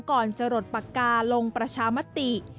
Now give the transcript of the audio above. ก่อนจะหลดปากกาลงประชามติ